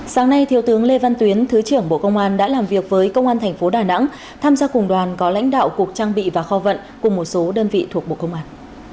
sáng nay thiếu tướng lê văn tuyến thứ trưởng bộ công an đã làm việc với công an thành phố đà nẵng tham gia cùng đoàn có lãnh đạo cục trang bị và kho vận cùng một số đơn vị thuộc bộ công an